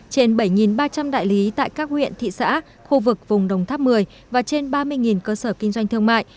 trên bảy ba trăm linh đại lý tại các huyện thị xã khu vực vùng đồng tháp một mươi và trên ba mươi cơ sở kinh doanh thương mại